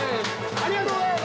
ありがとうございます。